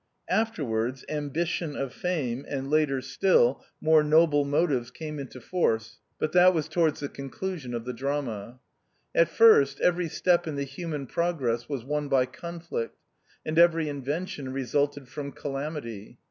Afterwards, ambition of fame, and later still, 44 THE OUTCAST. more noble motives came into force, but that was towards the conclusion of the drama. At hrst, every step in the human progress was won by conflict, and every invention resulted from calamity.